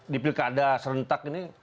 di pilkada serentak ini